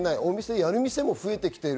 やるお店も増えてきている。